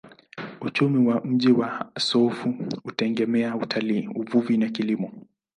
Uchumi wa mji wa Azeffou hutegemea utalii, uvuvi na kilimo.